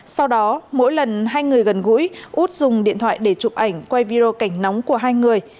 sau đó mỗi lần hai người gần gũi út dùng điện thoại để chụp ảnh quay video cảnh nóng của hai người